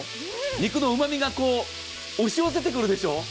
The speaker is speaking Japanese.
肉のうまみが押し寄せてくるでしょう。